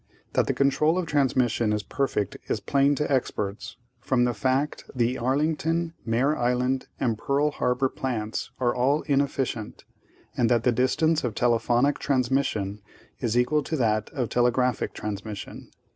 That the control of transmission is perfect is plain to experts from the fact the Arlington, Mare Island, and Pearl Harbor plants are all inefficient and that the distance of telephonic transmission is equal to that of telegraphic transmission.